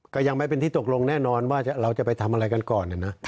ก็ยังไม่เป็นที่ตกลงแน่นอนว่าเราจะไปทำอะไรกันก่อนนะ